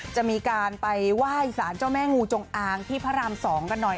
จะมีการไปไหว้สารเจ้าแม่งูจงอางที่พระราม๒กันหน่อย